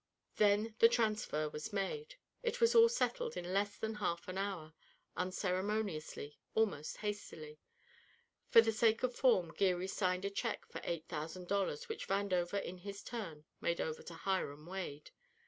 Then the transfer was made. It was all settled in less than half an hour, unceremoniously, almost hastily. For the sake of form Geary signed a check for eight thousand dollars which Vandover in his turn made over to Hiram Wade.